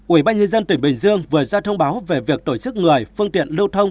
ubnd tp hcm vừa ra thông báo về việc tổ chức người phương tiện lưu thông